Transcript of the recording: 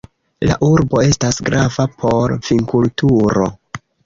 La urbo estas grava por vinkulturo.